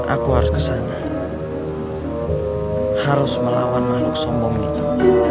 aku harus kesana harus melawan makhluk sombong itu